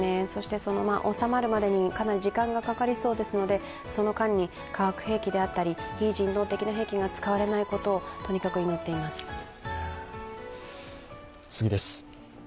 収まるまでにかなり時間がかかりそうですのでその間に化学兵器だったり、非人道的な兵器が使われないことをとにかく祈っています。